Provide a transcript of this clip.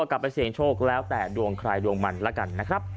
กลับไปเสี่ยงโชคแล้วแต่ดวงใครดวงมันแล้วกันนะครับ